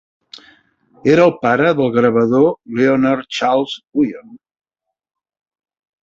Era el pare del gravador Leonard Charles Wyon.